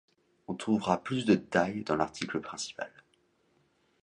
On trouvera plus de détails dans l'article principal.